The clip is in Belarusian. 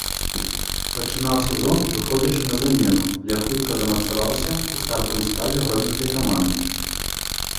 Пачынаў сезон, выходзячы на замену, але хутка замацаваўся ў стартавым складзе гродзенскай каманды.